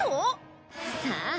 さあ。